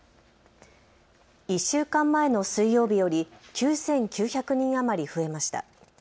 １週間前の水曜日より９９００人余り増えました。